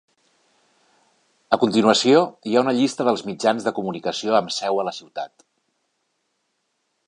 A continuació hi ha una llista dels mitjans de comunicació amb seu a la ciutat.